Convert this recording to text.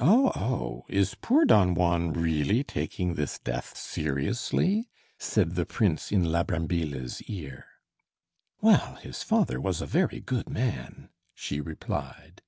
"Oh, oh, is poor Don Juan really taking this death seriously?" said the prince in la Brambilla's ear. "Well, his father was a very good man," she replied.